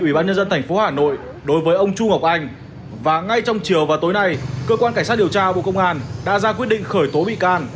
ủy ban nhân dân tp hà nội đối với ông chu ngọc anh và ngay trong chiều và tối nay cơ quan cảnh sát điều tra bộ công an đã ra quyết định khởi tố bị can